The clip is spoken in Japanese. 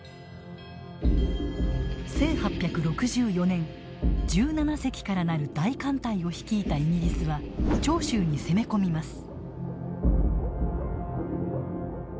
１８６４年１７隻から成る大艦隊を率いたイギリスは長州に攻め込みます。